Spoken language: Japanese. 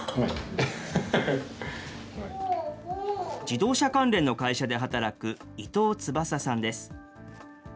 自動車関連の会社で働く伊藤翼さんです。